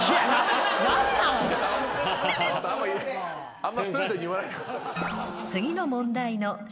あんまストレートに言わないでください。